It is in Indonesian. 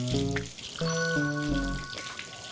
dan teman si